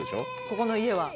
ここの家は。